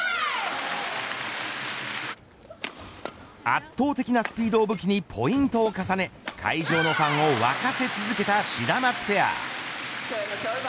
圧倒的なスピードを武器にポイントを重ね会場のファンを沸かせ続けたシダマツペア。